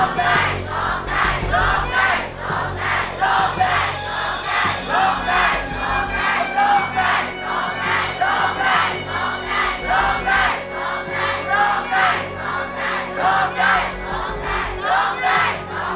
โรงใจโรงใจ